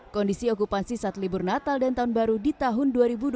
kondisi okupansi saat libur natal dan tahun baru di tahun dua ribu dua puluh